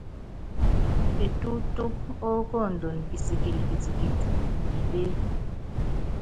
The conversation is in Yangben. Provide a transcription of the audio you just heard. Etútúk ókondon kisikɛl kitikit iŋélé.